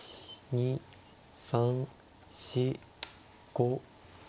２３４５。